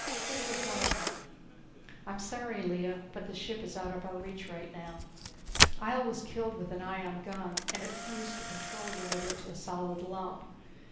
This was one of them. "I'm sorry, Lea, but the ship is out of our reach right now. Ihjel was killed with an ion gun and it fused the control unit into a solid lump.